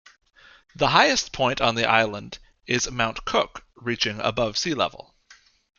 The highest point on the island is Mount Cook reaching above sea level.